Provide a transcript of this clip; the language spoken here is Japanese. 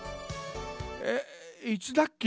えいつだっけ？